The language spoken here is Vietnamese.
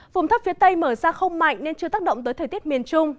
vùng thấp phía tây mở ra không mạnh nên chưa tác động tới thời tiết miền trung